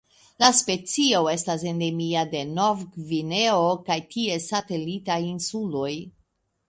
La specio estas endemia de Nov-Gvineo kaj ties satelitaj insuloj.